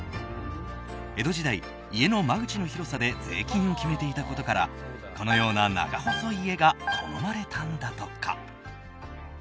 江戸時代、家の間口の広さで税金を決めていたことからこのような長細い家が好まれたんだとか。